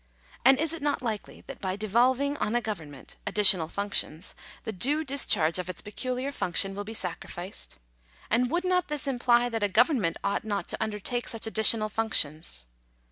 And is it not likely that by de volving on a government additional functions, the due dis charge of its peculiar function will be sacrificed ? And would not this imply that a government ought not to undertake such additional functions